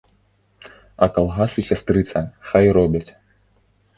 А калгасы, сястрыца, хай робяць.